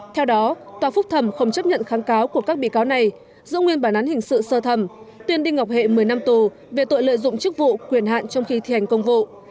theo đó tòa phúc thẩm không chấp nhận kháng cáo của các bị cáo này giữ nguyên bản án hình sự sơ thẩm tuyên đinh ngọc hệ một mươi năm tù về tội lợi dụng chức vụ quyền hạn trong khi thi hành công vụ